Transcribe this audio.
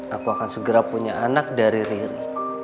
aku akan segera punya anak dari riri